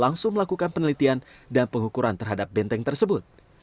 langsung melakukan penelitian dan pengukuran terhadap benteng tersebut